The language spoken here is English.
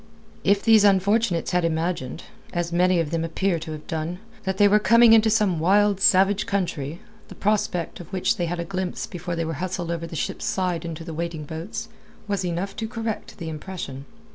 If these unfortunates had imagined as many of them appear to have done that they were coming into some wild, savage country, the prospect, of which they had a glimpse before they were hustled over the ship's side into the waiting boats, was enough to correct the impression.